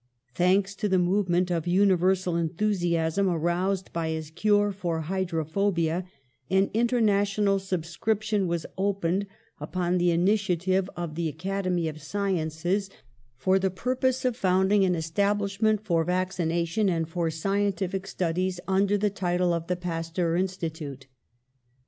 Thanks to the movement of universal en thusiasm aroused by his cure for hydrophobia, an international subscription was opened, upon the initiative of the Academy of Sciences, for 176 THE PASTEUR INSTITUTE 177 the purpose of founding an establishment for vaccination and for scientific studies, under the title of the Pasteur Institute.